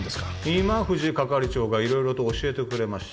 今藤係長が色々と教えてくれました